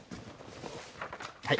はい。